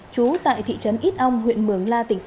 chú tại thị trấn ít âu huyện mường la tỉnh sách